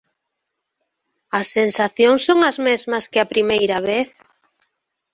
As sensacións son as mesmas que a primeira vez?